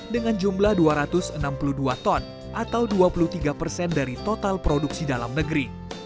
dengan jumlah dua ratus enam puluh dua ton atau dua puluh tiga persen dari total produksi dalam negeri